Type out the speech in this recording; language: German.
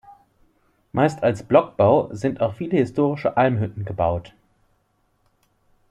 Meist als Blockbau sind auch viele historische Almhütten gebaut.